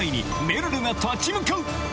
めるるが立ち向かう！